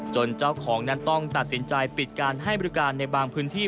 เจ้าของนั้นต้องตัดสินใจปิดการให้บริการในบางพื้นที่